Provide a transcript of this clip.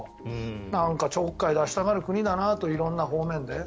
なんかちょっかい出したがる国だなと色んな方面で。